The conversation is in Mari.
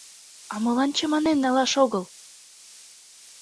А молан чаманен налаш огыл?